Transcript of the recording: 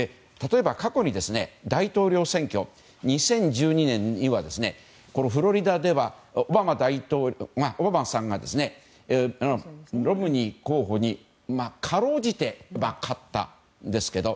過去には大統領選挙、２０１２年にはフロリダではオバマさんがロムニー候補にかろうじて勝ったんですけど。